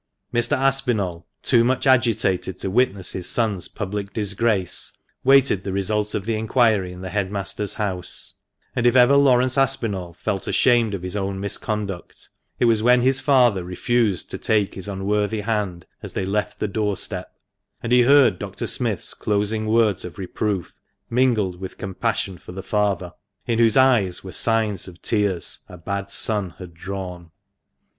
Mr. Aspinall, too much agitated to witness his son's public disgrace, waited the result of the inquiry in the head master's house ; and if ever Laurence Aspinall felt ashamed of his own misconduct, it was when his father refused to take his unworthy hand as they left the door step, and he heard Dr. Smith's closing words of reproof mingled with compassion for the father, in whose eyes were signs of tears a bad son had drawn. 120 THE MANCHESTER MAN.